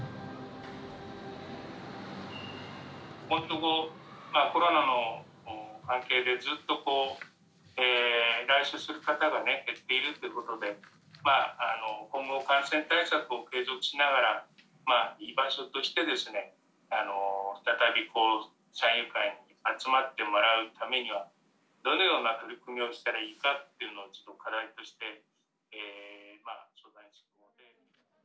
「ここんとこコロナの関係でずっとこう来所する方がね減っているってことでまああの今後感染対策を継続しながらまあ居場所としてですね再び山友会に集まってもらうためにはどのような取り組みをしたらいいかっていうのを課題として」。